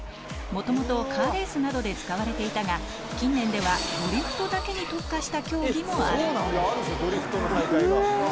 もともとカーレースなどで使われていたが近年ではドリフトだけに特化した競技もあるうわぁ！